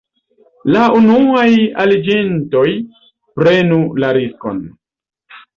La unuaj aliĝintoj prenu la riskon...